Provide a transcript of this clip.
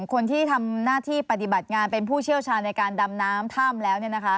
คนที่ทำหน้าที่ปฏิบัติงานเป็นผู้เชี่ยวชาญในการดำน้ำถ้ำแล้ว